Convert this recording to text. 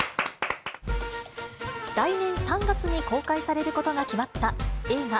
来年３月に公開されることが決まった、映画